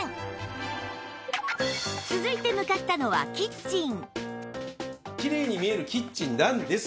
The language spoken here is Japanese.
続いて向かったのはキッチン